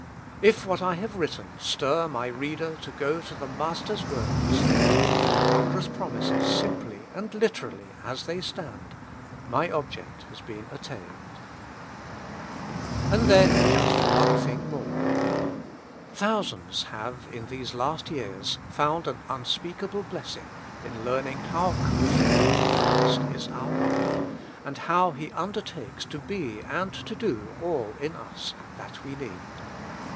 If what I have written stir my reader to go to the Mas ter's words, and take His wondrous promises simply and literally as they stand, my object has been at tained. And then just one thing more. Thousands have in these last years found an unspeakable blessing in learning how completely Christ is our life, and how He undertakes to be and to do all in us that we need.